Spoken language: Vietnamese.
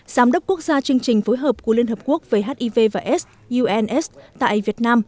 giám đốc quốc gia chương trình phối hợp của liên hợp quốc với hiv và s uns tại việt nam